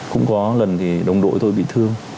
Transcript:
cũng có lần thì đồng đội tôi bị thương